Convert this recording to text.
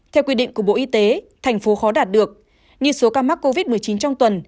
theo quy định của bộ y tế thành phố khó đạt được như số ca mắc covid một mươi chín trong tuần